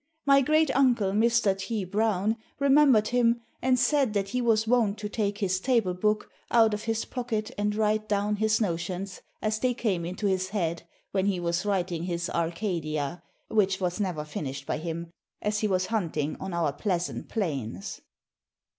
My great uncle Mr. T. Browne, remembered him, and sayd that he was wont to take his table booke out of his pocket and write downe his notions as they came into his head, when he was writing his Arcadia (which was never finished by him) as he was hunting on our pleasant plaines."